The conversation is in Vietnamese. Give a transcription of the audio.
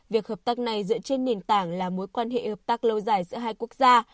việc hợp tác này dựa trên nền tảng là mối quan hệ hợp tác lâu dài giữa hai quốc gia